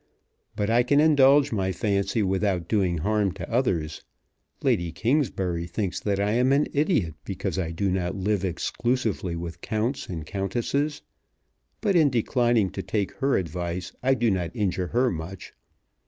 But I can indulge my fancy without doing harm to others. Lady Kingsbury thinks that I am an idiot because I do not live exclusively with counts and countesses; but in declining to take her advice I do not injure her much.